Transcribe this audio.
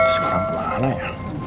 sekarang kemana ya